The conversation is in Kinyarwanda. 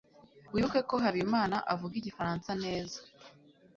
wibuke ko habimana avuga igifaransa neza